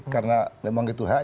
karena memang itu hak